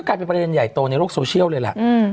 น่ารักเนี่ยคุณแม่คนพูดถึงเยอะ